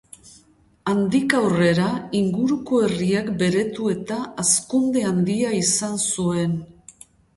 Handik aurrera, inguruko herriak beretu eta hazkunde handia izan zuen.